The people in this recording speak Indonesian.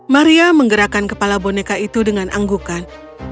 maria menggerakkan kepala boneka itu dengan anggukan